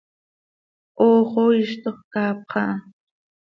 Hoox oo iiztox caapxa ha.